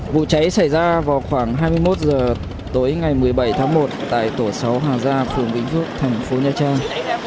vụ cháy xảy ra vào khoảng hai mươi một h tối ngày một mươi bảy tháng một tại tổ sáu hà gia phường vĩnh phước thành phố nha trang